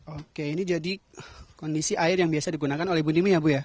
oke ini jadi kondisi air yang biasa digunakan oleh ibu nimi ya bu ya